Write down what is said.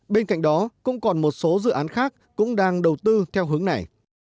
bên cạnh đó cũng còn một số dự án khác cũng đang đầu tư theo hướng này